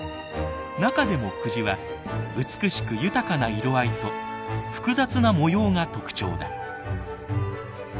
中でも久慈は美しく豊かな色合いと複雑な模様が特徴だ。